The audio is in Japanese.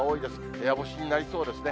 部屋干しになりそうですね。